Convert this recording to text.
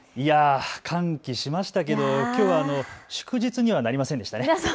歓喜しましたけど祝日にはなりませんでしたね。